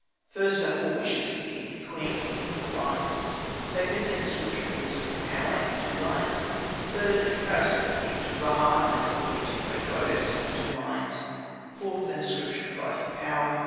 First are four wishes for the king and queen, in four lines. Second, an ascription of wisdom and power, in two lines. Third, a comparison of the king to Ra, and of the queen to the great goddess, in two lines. Fourth, an ascription of righting power.